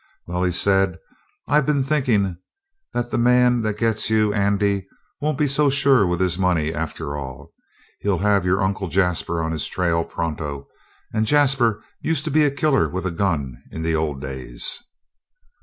"Well," said he, "I've been thinkin' that the man that gets you, Andy, won't be so sure with his money, after all. He'll have your Uncle Jasper on his trail pronto, and Jasper used to be a killer with a gun in the old days."